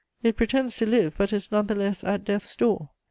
It pretends to live, but is none the less at death's door.